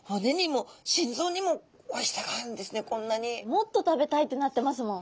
もっと食べたいってなってますもん。